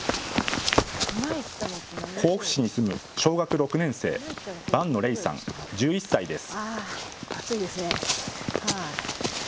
甲府市に住む小学６年生、伴野嶺さん、１１歳です。